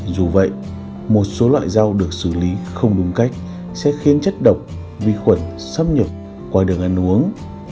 dù vậy một số loại rau được xử lý không đúng cách sẽ khiến chất độc vi khuẩn xâm nhập qua đường ăn uống